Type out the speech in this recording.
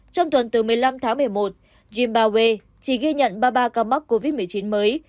trong tuần từ một mươi năm tháng một mươi một zimbawe chỉ ghi nhận ba mươi ba ca mắc covid một mươi chín mới